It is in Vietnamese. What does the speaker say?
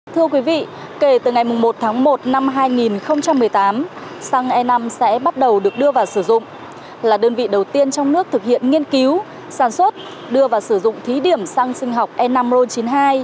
thưa quý vị kể từ ngày một tháng một năm hai nghìn một mươi tám xăng e năm sẽ bắt đầu được đưa vào sử dụng là đơn vị đầu tiên trong nước thực hiện nghiên cứu sản xuất đưa vào sử dụng thí điểm xăng sinh học e năm ron chín mươi hai